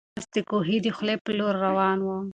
آس د کوهي د خولې په لور روان و.